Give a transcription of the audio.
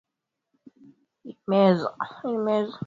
Hii ni meza.